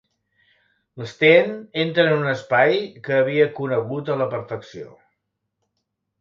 L'Sten entra en un espai que havia conegut a la perfecció.